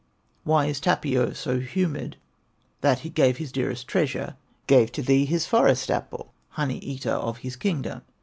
Why is Tapio so humored, That he gave his dearest treasure, Gave to thee his Forest apple, Honey eater of his kingdom?